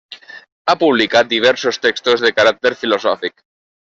Ha publicat diversos textos de caràcter filosòfic.